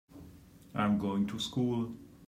I'm going to school.